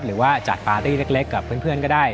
หรือว่าจัดปาร์ตี้เล็กกับเพื่อนก็ได้